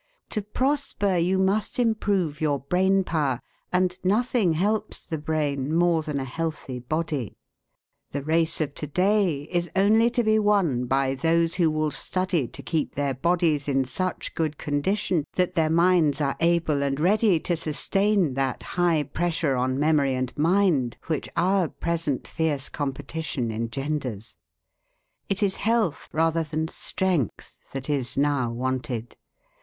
To prosper you must improve your brain power; and nothing helps the brain more than a healthy body. The race of to day is only to be won by those who will study to keep their bodies in such good condition that their minds are able and ready to sustain that high pressure on memory and mind, which our present fierce competition engenders. It is health rather than strength that is now wanted.